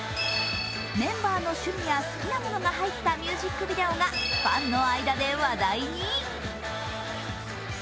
メンバーの趣味や好きなものが入ったミュージックビデオがファンの間で話題に。